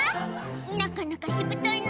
「なかなかしぶといな」